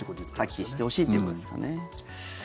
発揮してほしいということですかね。